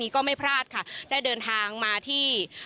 ก็ไม่พลาดค่ะได้เดินทางมาที่